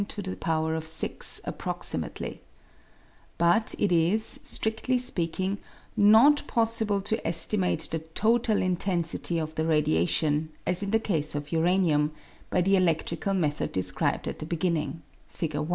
'■* Thesis presented to the t'aculte des Sciences de Paris But it is, stridtly speaking, not possible to estimate the total intensity of the radiation, as in the case of uranium, by the eledtrical method described at the beginning (Fig.